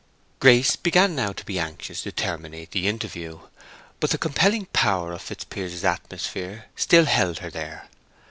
Grace began now to be anxious to terminate the interview, but the compelling power of Fitzpiers's atmosphere still held her there.